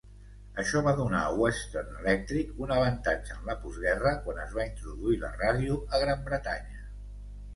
Això va donar a Western Electric un avantatge en la postguerra quan es va introduir la ràdio a Gran Bretanya.